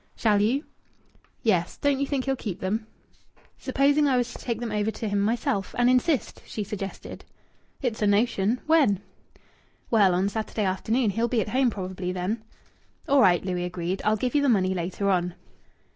"Shall you?" "Yes. Don't you think he'll keep them?" "Supposing I was to take them over to him myself and insist?" she suggested. "It's a notion. When?" "Well, on Saturday afternoon. He'll be at home probably then." "All right," Louis agreed. "I'll give you the money later on."